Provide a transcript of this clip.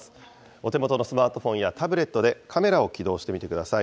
お手元のスマートフォンやタブレットでカメラを起動してみてください。